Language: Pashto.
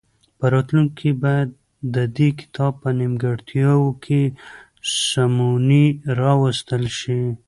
په راتلونکي کې باید د دې کتاب په نیمګړتیاوو کې سمونې راوستل شي.